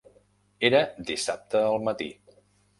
Era dissabte al matí.